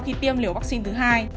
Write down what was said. khi tiêm liều vắc xin thứ hai